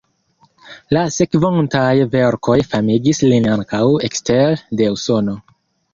La sekvontaj verkoj famigis lin ankaŭ ekster de Usono.